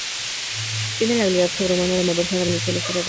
Tiene la habilidad sobrehumana de moverse a grandes velocidades.